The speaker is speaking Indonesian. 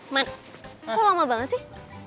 man kok lo lama banget sih